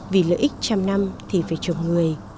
vì lợi ích trăm năm thì phải trồng người